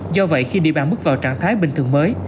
do vậy khi địa bàn bước vào trạng thái bình thường mới